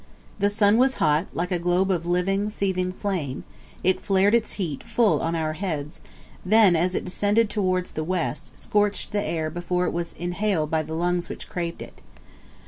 The sun was hot; like a globe of living, seething flame, it flared its heat full on our heads; then as it descended towards the west, scorched the air before it was inhaled by the lungs which craved it.